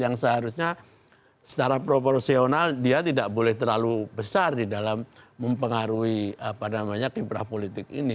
yang seharusnya secara proporsional dia tidak boleh terlalu besar di dalam mempengaruhi kiprah politik ini